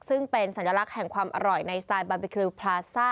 ซึ่งเป็นสัญลักษณ์แห่งความอร่อยในสไตลบาร์บีคิวพลาซ่า